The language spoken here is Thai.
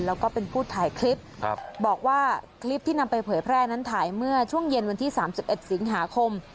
แล้วก็เป็นผู้ถ่ายคลิปบอกว่าคลิปที่นำไปเผยแพร่นั้นถ่ายเมื่อช่วงเย็นวันที่๓๑สิงหาคม